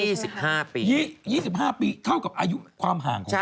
๒๕ปีเท่ากับอายุความห่างของเขา